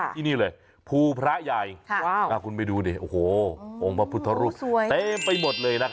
ที่นี่เลยภูพระใหญ่คุณไปดูดิโอ้โหองค์พระพุทธรูปสวยเต็มไปหมดเลยนะคะ